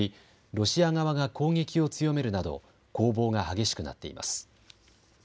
ロシア側が攻撃を強めるなど攻防が激しくなっています。